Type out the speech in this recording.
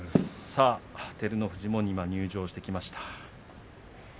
照ノ富士も入場してきました。